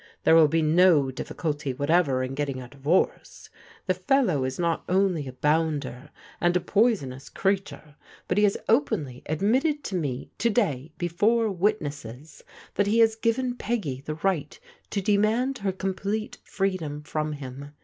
There will be no difficulty whatever in getting a divorce. The fellow is not only a bounder and a poisonous creature, but he has openly admitted to me, to day, before witnesses, that he has given Peggy the right to demand her complete freedom from him.